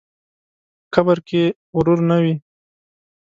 په قبر کې غرور نه وي.